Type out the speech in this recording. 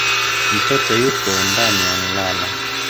Mtoto yuko ndani anlala